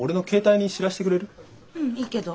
うんいいけど。